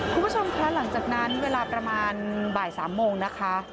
คุณผู้ชมคะหลังจากนั้นเวลาประมาณบ่าย๓โมงนะคะ